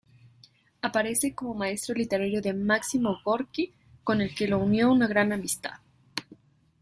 Aparece como maestro literario de Máximo Gorki, con el que lo unió gran amistad.